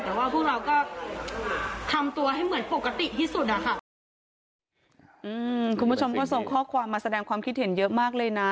แต่ว่าพวกเราก็ทำตัวให้เหมือนปกติที่สุดอ่ะค่ะอืมคุณผู้ชมก็ส่งข้อความมาแสดงความคิดเห็นเยอะมากเลยนะ